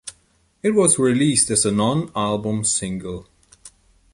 It was released as a non-album single.